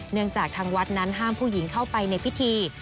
จากทางวัดนั้นห้ามผู้หญิงเข้าไปในพิธี